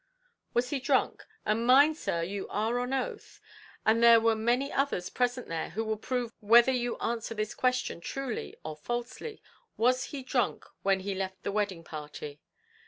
"Was he drunk? and mind, sir, you are on your oath and there were many others present there who will prove whether you answer this question truly or falsely; was he drunk when he left the wedding party?"